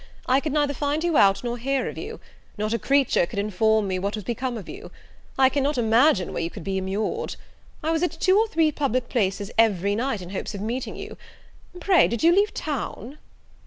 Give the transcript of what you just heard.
I could neither find you out, nor hear of you: not a creature could inform me what was become of you. I cannot imagine where you could be immured. I was at two or three public places every night, in hopes of meeting you. Pray, did you leave town?"